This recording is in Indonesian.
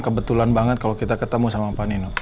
kebetulan banget kalau kita ketemu sama pak nino